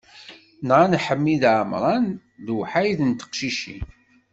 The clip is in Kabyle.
Nɣan Ḥimi d Ɛemran, lewḥayed n teqcicin.